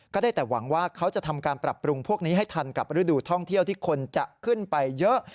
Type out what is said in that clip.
ได้แต่หวังว่าเขาจะทำการปรับปรุงพวกนี้ให้ทันกับฤดูท่องเที่ยวที่คนจะขึ้นไปเยอะ